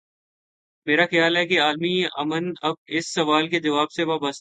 میرا خیال ہے کہ عالمی ا من اب اس سوال کے جواب سے وابستہ ہے۔